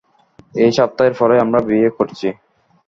এই সপ্তাহের পরেই আমরা বিয়ে করছি।